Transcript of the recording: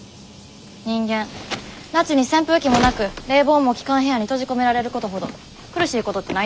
人間夏に扇風機もなく冷房も効かん部屋に閉じ込められることほど苦しいことってないでしょ。